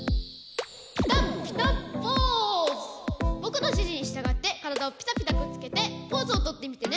ぼくのしじにしたがってからだをピタピタくっつけてポーズをとってみてね！